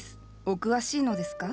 お詳しいのですか？